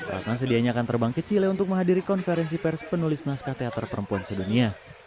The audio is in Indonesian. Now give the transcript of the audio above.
ratna sedianya akan terbang ke chile untuk menghadiri konferensi pers penulis naskah teater perempuan sedunia